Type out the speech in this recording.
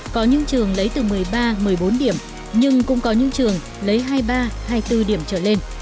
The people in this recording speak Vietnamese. có những trường lấy từ một mươi ba một mươi bốn điểm nhưng cũng có những trường lấy hai mươi ba hai mươi bốn điểm trở lên